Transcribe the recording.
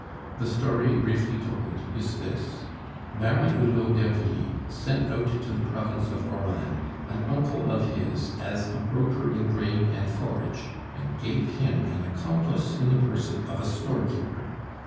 "The story, briefly told, is this: Baron Hulot d'Ervy sent out to the province of Oran an uncle of his as a broker in grain and forage, and gave him an accomplice in the person of a storekeeper.